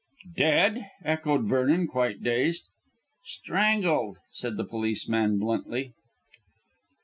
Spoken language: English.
"Dead!" echoed Vernon, quite dazed. "Strangled," said the policeman bluntly.